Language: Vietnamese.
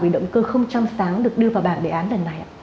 vì động cơ không trăm sáng được đưa vào bản đề án lần này ạ